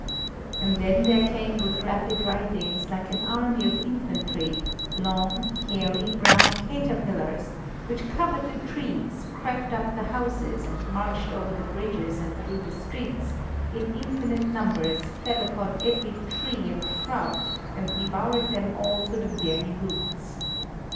And then there came with rapid writhings, like an army of infantry, long, hairy, brown caterpillars, which covered the trees, crept up the houses and marched over the bridges and through the streets, in infinite numbers, fell upon every tree and shrub and devoured them all to the very roots.